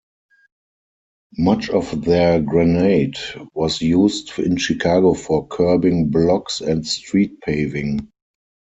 Much of their granite was used in Chicago for curbing blocks and street paving.